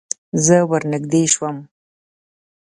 زه ور نږدې شوم.